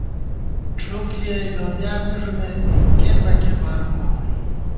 ڄُھپ ݪِیَئ لوبیا می ݫُمېت، کېنبَکے بالُوم بہ مُوئی